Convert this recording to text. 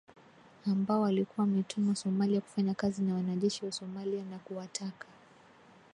ambao walikuwa wametumwa Somalia kufanya kazi na wanajeshi wa Somalia na kuwataka